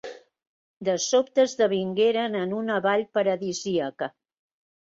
De sobte esdevingueren en una vall paradisíaca.